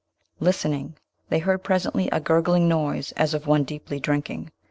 Listening, they heard presently a gurgling noise as of one deeply drinking.